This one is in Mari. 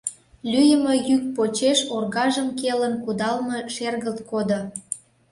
Лӱйымӧ йӱк почеш оргажым келын кудалме шергылт кодо.